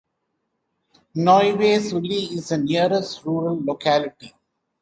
Novye Sulli is the nearest rural locality.